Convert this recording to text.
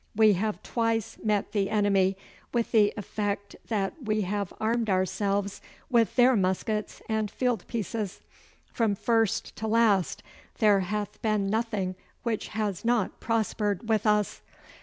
We have twice met the enemy, with the effect that we have armed ourselves with their muskets and field pieces. From first to last there hath been nothing which has not prospered with us.